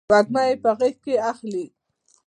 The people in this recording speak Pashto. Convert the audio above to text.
وږمه یې په غیږ کې اخلې